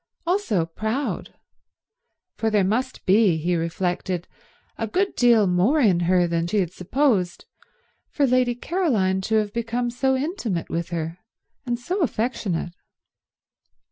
Also proud; for there must be, he reflected, a good deal more in her than he had supposed, for Lady Caroline to have become so intimate with her and so affectionate.